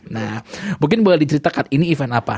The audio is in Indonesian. nah mungkin boleh diceritakan ini event apa